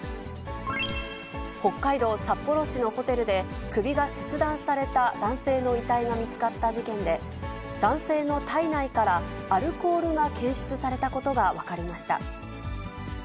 北海道札幌市のホテルで首が切断された男性の遺体が見つかった事件で、男性の体内からアルコールが検出されたことが分かりました。